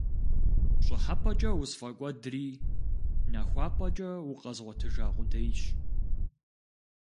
ПщӀыхьэпӀэкӀэ усфӀэкӀуэдри, нахуапӀэкӀэ укъэзгъуэтыжа къудейщ…